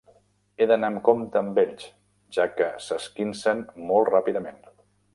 He d'anar amb compte amb ells, ja que s'esquincen molt ràpidament.